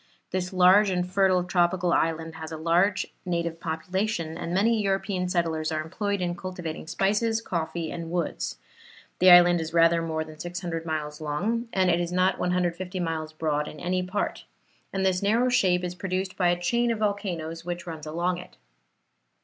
This large and fertile tropical island has a large native population, and many European settlers are employed in cultivating spices, coffee and woods. The island is rather more than 600 miles long, and it is not 150 miles broad in any part; and this narrow shape is produced by a chain of volcanoes which runs along it.